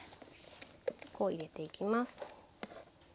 ここへ入れていきます。